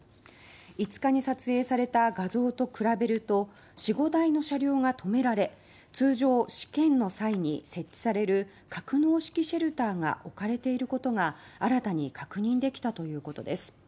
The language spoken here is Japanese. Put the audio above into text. ５日に撮影された画像と比べると４、５台の車両が停められ通常試験の際に設置される格納式シェルターが置かれていることが新たに確認できたということです。